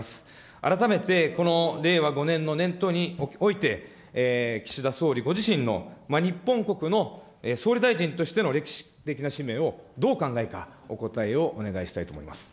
改めてこの令和５年の年頭において、岸田総理ご自身の日本国の総理大臣としての歴史的な使命をどうお考えかお答えをお願いしたいと思います。